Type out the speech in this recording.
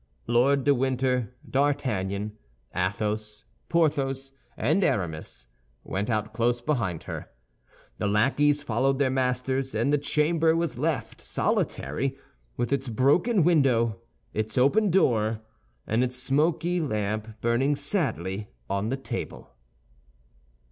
Lord de Winter, D'Artagnan, Athos, Porthos, and Aramis, went out close behind her. The lackeys followed their masters, and the chamber was left solitary, with its broken window, its open door, and its smoky lamp burning sadly on the table.